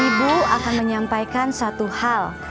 ibu akan menyampaikan satu hal